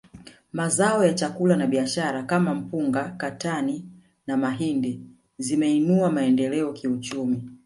Mazao ya chakula na biashara kama mpunga katani na mahindi zimeinua maendeleo kiuchumi